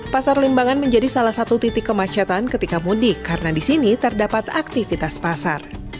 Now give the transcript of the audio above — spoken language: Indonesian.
pasar limbangan menjadi salah satu titik kemacetan ketika mudik karena di sini terdapat aktivitas pasar